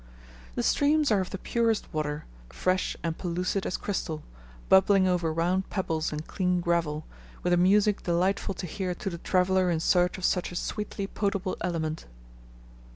The streams are of the purest water, fresh, and pellucid as crystal, bubbling over round pebbles and clean gravel, with a music delightful to hear to the traveller in search of such a sweetly potable element.